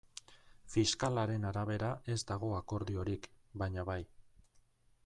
Fiskalaren arabera ez dago akordiorik, baina bai.